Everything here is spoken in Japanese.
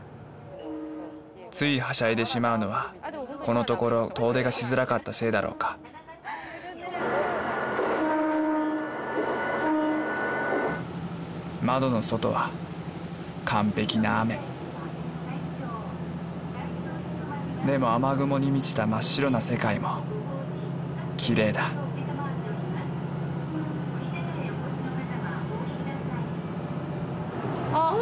ついはしゃいでしまうのはこのところ遠出がしづらかったせいだろうかでも雨雲に満ちた真っ白な世界もきれいだあっ